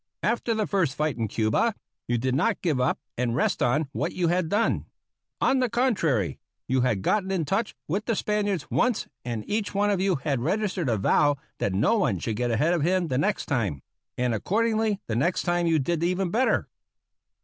After the first fight in Cuba you did not give up and rest on what you had done. On the contrary, you had gotten in touch with the Spaniards once, and each one of you had registered a vow that no one should get ahead of him the next time; and accordingly the next time you did even better.